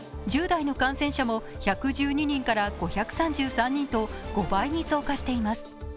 １０代の感染者も１１２人から５３３人と５倍に増加しています。